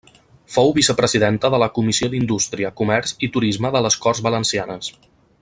Fou vicepresidenta de la Comissió d'Indústria, Comerç i Turisme de les Corts Valencianes.